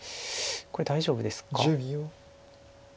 これ大丈夫ですか？